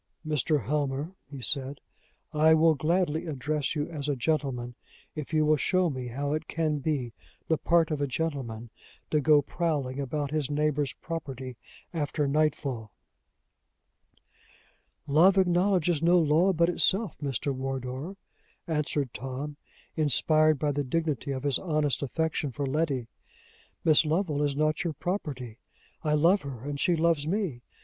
"Mr. Helmer," he said, "I will gladly address you as a gentleman, if you will show me how it can be the part of a gentleman to go prowling about his neighbor's property after nightfall." "Love acknowledges no law but itself, Mr. Wardour," answered Tom, inspired by the dignity of his honest affection for Letty. "Miss Lovel is not your property. I love her, and she loves me.